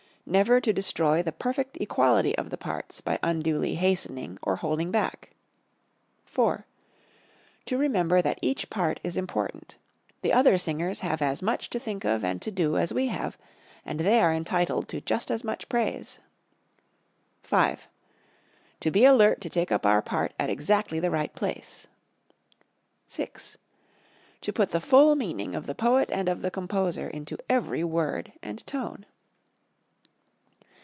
Never to destroy the perfect equality of the parts by unduly hastening or holding back. IV. To remember that each part is important. The other singers have as much to think of and to do as we have, and they are entitled to just as much praise. V. To be alert to take up our part at exactly the right place. VI. To put the full meaning of the poet and of the composer into every word and tone.